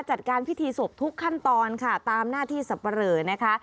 จัดการพิธีศพทุกขั้นตอนค่ะตามหน้าที่สับปะเหลอนะคะ